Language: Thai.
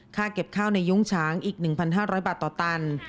เก็บข้าวในยุ้งฉางอีก๑๕๐๐บาทต่อตัน